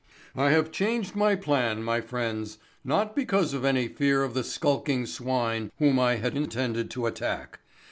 "I have changed my plan, my friends, not because of any fear of the skulking swine whom I had intended to attack.